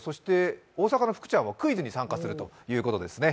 大阪の福ちゃんはクイズに参加するということですね。